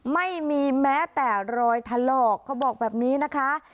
ไม่มีแม้แต่รอยถลอกเขาบอกแบบนี้นะคะ